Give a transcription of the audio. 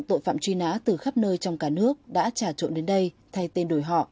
tội phạm truy nã từ khắp nơi trong cả nước đã trà trộn đến đây thay tên đổi họ